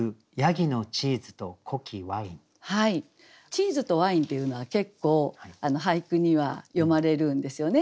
チーズとワインっていうのは結構俳句には詠まれるんですよね。